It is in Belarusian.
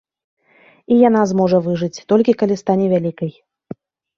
І яна зможа выжыць, толькі калі стане вялікай.